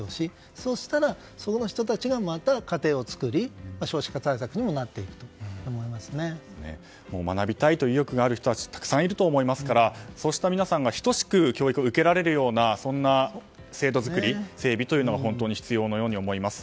そうしたら、そこの人たちがまた家庭を作り学びたいという意欲がある人たちたくさんいると思いますからそうした皆さんが等しく教育を受けられるようなそんな制度作り、整備というのが必要のように思います。